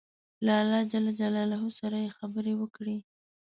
له الله جل جلاله سره یې خبرې وکړې.